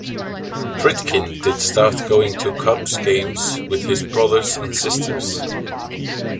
Pritkin did start going to Cubs games with his brothers and sisters.